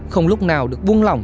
không lúc nào được buông lỏng